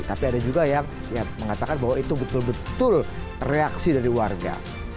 tapi ada juga yang mengatakan bahwa itu betul betul reaksi dari warga